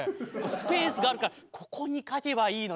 スペースがあるからここに書けばいいのにね。